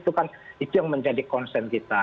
itu kan itu yang menjadi concern kita